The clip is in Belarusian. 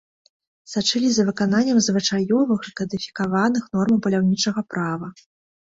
Сачылі за выкананнем звычаёвых і кадыфікаваных нормаў паляўнічага права.